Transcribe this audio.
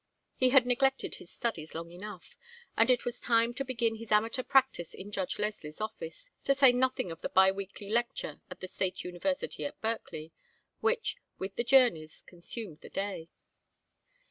He had neglected his studies long enough, and it was time to begin his amateur practice in Judge Leslie's office, to say nothing of the bi weekly lecture at the State University at Berkeley, which, with the journeys, consumed the day.